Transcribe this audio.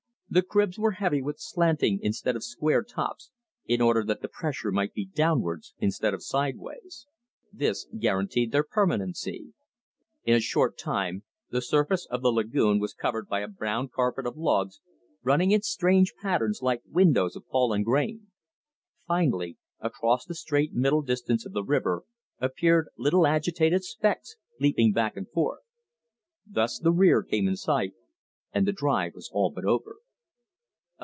The cribs were very heavy with slanting, instead of square, tops, in order that the pressure might be downwards instead of sidewise. This guaranteed their permanency. In a short time the surface of the lagoon was covered by a brown carpet of logs running in strange patterns like windrows of fallen grain. Finally, across the straight middle distance of the river, appeared little agitated specks leaping back and forth. Thus the rear came in sight and the drive was all but over.